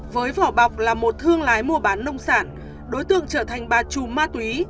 với vỏ bọc là một thương lái mua bán nông sản đối tượng trở thành bà trùm ma túy